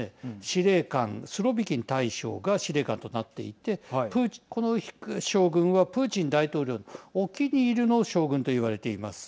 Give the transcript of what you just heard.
司令官スロビキン大将が司令官となっていてこの将軍はプーチン大統領のお気に入りの将軍といわれています。